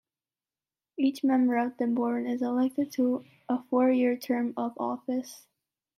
Each member of the board is elected to a four-year term of office.